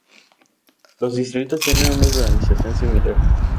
Los distritos tienen una organización similar.